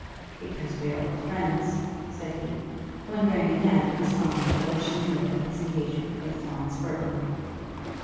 "Because we are old friends," said he, wondering again at this moment whether she knew of his engagement with Florence Burton.